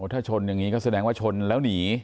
ถ้าชนอย่างนี้ก็แสดงว่าชนแล้วหนี